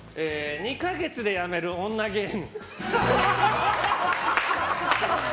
２か月でやめる女芸人。